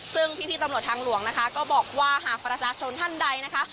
ซึ่งพี่ตำรวจทางหลวงนะคะก็บอกว่าหากประชาชนท่านใดนะคะ